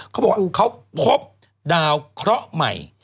เขาพบดาวเคราะห์ใหม่